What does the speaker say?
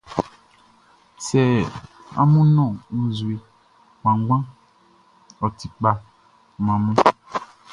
Sɛ amun nɔn nzue kpanngbanʼn, ɔ ti kpa man amun.